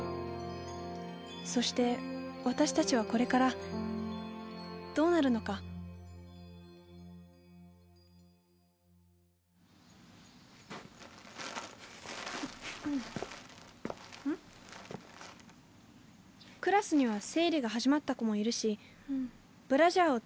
そして私たちはこれからどうなるのかクラスには生理が始まった子もいるしブラジャーをつけてる子もいる。